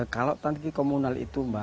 kalau tangki komunal itu